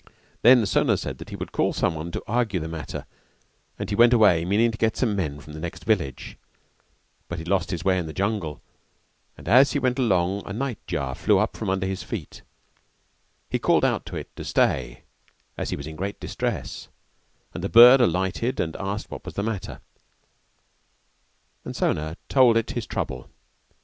Then Sona said that he would call someone to argue the matter and he went away meaning to get some men from the next village: but he lost his way in the jungle and as he went along a night jar flew up from under his feet; he called out to it to stay as he was in great distress, and the bird alighted and asked what was the matter, and Sona told it his trouble.